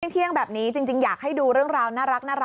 เที่ยงแบบนี้จริงอยากให้ดูเรื่องราวน่ารัก